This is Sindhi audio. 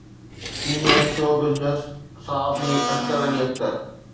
سينيئر شو بزنس صحافي اختر علي اختر